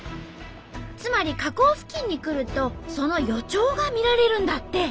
つまり河口付近に来るとその予兆が見られるんだって。